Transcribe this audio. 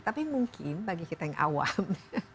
tapi mungkin bagi kita yang awam